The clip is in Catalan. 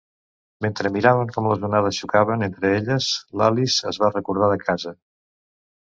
Mentre miraven com les onades xocaven entre elles, l'Alice es va recordar de casa.